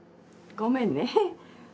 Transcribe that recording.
ごめんね。